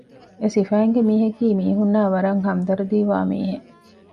އެސިފައިންގެ މީހަކީ މީހުނަށް ވަރަށް ހަމްދަރުދީވާ މީހެއް